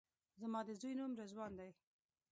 زما د زوی نوم رضوان دی